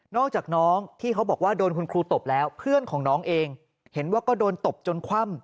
อกจากน้องที่เขาบอกว่าโดนคุณครูตบแล้วเพื่อนของน้องเองเห็นว่าก็โดนตบจนคว่ำ